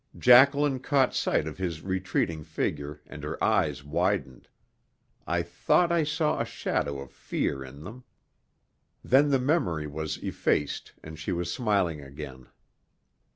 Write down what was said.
Jacqueline caught sight of his retreating figure and her eyes widened. I thought I saw a shadow of fear in them. Then the memory was effaced and she was smiling again.